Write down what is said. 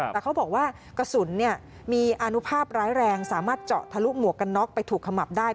แต่เขาบอกว่ากระสุนมีอนุภาพร้ายแรงสามารถเจาะทะลุหมวกกันน็อกไปถูกขมับได้